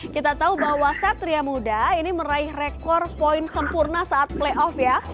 kita tahu bahwa satria muda ini meraih rekor poin sempurna saat playoff ya